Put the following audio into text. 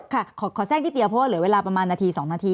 ขอแทรกนิดเดียวเพราะว่าเหลือเวลาประมาณนาที๒นาที